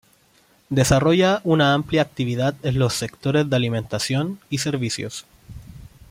Desarrolla una amplia actividad en los sectores de alimentación y servicios.